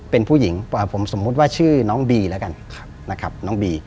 เป็นผู้หญิงผมสมมติว่าชื่อน้องบีละกัน